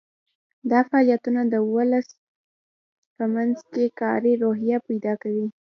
دا فعالیتونه د ولس په منځ کې کاري روحیه پیدا کوي.